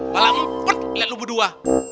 malah put liat lu berdua